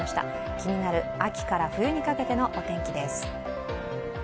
気になる秋から冬にかけてのお天気です。